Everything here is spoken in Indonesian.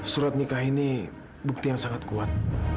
surat nikah ini bukti yang sangat kuat